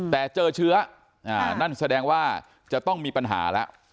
แต่เจอเชื้อนั่นแสดงว่าจะต้องมีปัญหาแล้ว